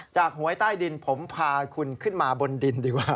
หวยใต้ดินผมพาคุณขึ้นมาบนดินดีกว่า